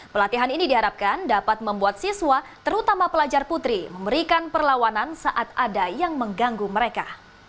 pelatihan ini diharapkan dapat membuat siswa terutama pelajar putri memberikan perlawanan saat ada yang mengganggu mereka